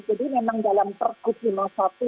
jadi memang dalam terkut lima puluh satu